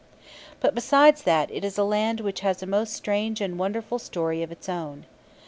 But besides that, it is a land which has a most strange and wonderful story of its own.